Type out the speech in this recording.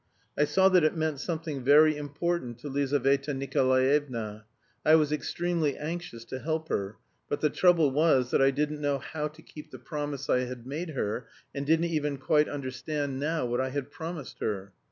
I saw that it meant something very important to Lizaveta Nikolaevna. I was extremely anxious to help her, but the trouble was that I didn't know how to keep the promise I had made her, and didn't even quite understand now what I had promised her.